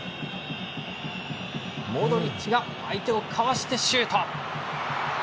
モドリッチが相手をかわしてシュート。